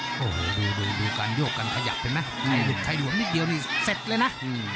โอ้โหดูคือการยกกันขยับได้นะทีบนี่แครกเหมือนกันเสร็จเลยนะ